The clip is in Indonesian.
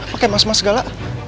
pake mas mas segala